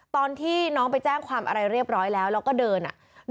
ตอนที่น้องไปแจ้งความอะไรเรียบร้อยแล้วแล้วก็เดินอ่ะ